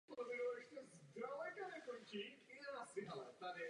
Poté v Paříži odsouzen hrdla a statky jeho zabaveny.